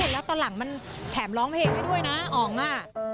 แล้วตอนหลังมันแถมร้องเพลงไว้ด้วยนะอ๋องอ่ะ